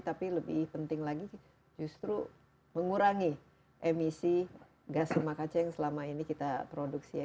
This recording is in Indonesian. tapi lebih penting lagi justru mengurangi emisi gas rumah kaca yang selama ini kita produksi ya